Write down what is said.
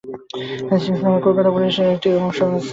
Hastings থানাটি কলকাতা পুলিশের দক্ষিণ বিভাগের একটি অংশ।